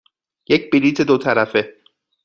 یک بلیط دو طرفه.